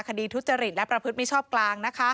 ทุจริตและประพฤติมิชอบกลาง